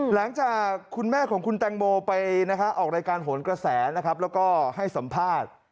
หลังจากคุณแม่ของคุณแตงโมไปออกรายการโหนกระแสนะครับแล้วก็ให้สัมภาษณ์